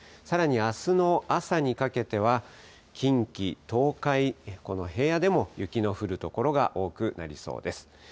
さらにあすの朝にかけては、近畿、東海、この平野でも雪の降る所が多くなりそうです。